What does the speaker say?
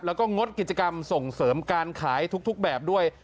แล้วก็งดกิจกรรมส่งเสริมการขายทุกแบบด้วย